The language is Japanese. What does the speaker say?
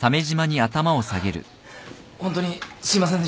ホントにすいませんでした。